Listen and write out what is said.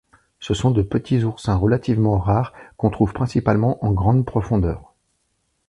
Ce sont de petits oursins relativement rares, qu'on trouve principalement en grande profondeur.